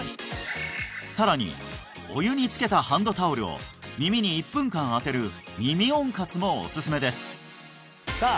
さらにお湯につけたハンドタオルを耳に１分間あてる耳温活もおすすめですさあ